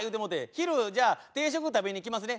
昼じゃあ定食食べに来ますね。